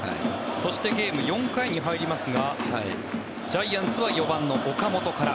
そして、ゲーム４回に入りますがジャイアンツは４番の岡本から。